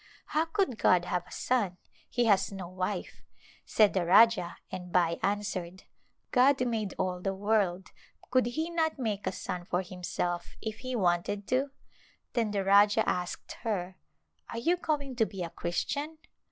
" How could God have a son ? He has no wife," said the Rajah, and Bai answered, " God made all the world, could He not make a son for Him self if He wanted to ?" Then the Rajah asked her, " Are you going to be a Christian